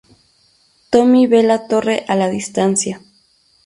Tommy ve la torre a la distancia.